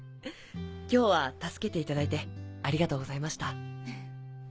今日は助けていただいてありがとうございました。